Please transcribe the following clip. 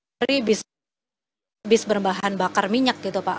dambri bisa bis berbahan bakar minyak gitu pak